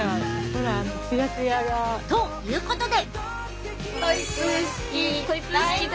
ということで。